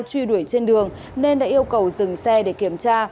truy đuổi trên đường nên đã yêu cầu dừng xe để kiểm tra